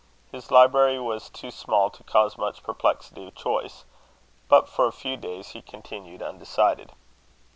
His library was too small to cause much perplexity of choice, but for a few days he continued undecided.